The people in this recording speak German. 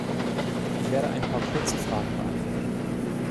Ich werde ein paar kurze Fragen beantworten.